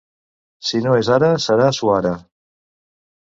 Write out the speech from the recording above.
Si no és ara, serà suara.